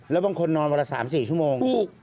แล้วบางคนนอนวันละ๓๔ชั่วโมง